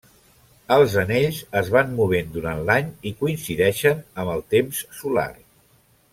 Els anells es van movent durant l'any i coincideixen amb el temps solar.